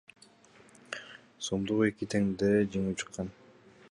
сомдук эки тендерде жеңип чыккан.